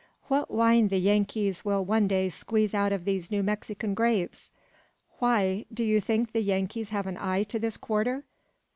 What wine the Yankees will one day squeeze out of these New Mexican grapes!" "Why? Do you think the Yankees have an eye to this quarter?"